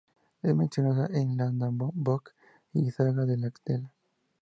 Es mencionada en "Landnámabók" y "saga de Laxdœla".